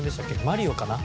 『マリオ』かな？